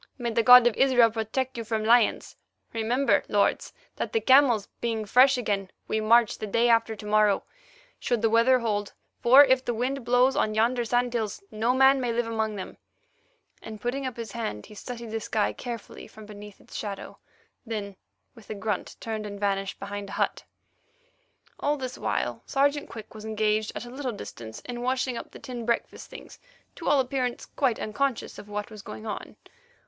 "May the God of Israel protect you from lions. Remember, lords, that, the camels being fresh again, we march the day after to morrow, should the weather hold, for if the wind blows on yonder sand hills, no man may live among them;" and, putting up his hand, he studied the sky carefully from beneath its shadow, then, with a grunt, turned and vanished behind a hut. All this while Sergeant Quick was engaged at a little distance in washing up the tin breakfast things, to all appearance quite unconscious of what was going on.